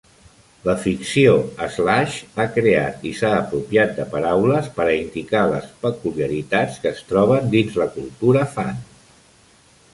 La ficció Slash ha creat i s'ha apropiat de paraules per a indicar les peculiaritats que es troben dins la cultura fan.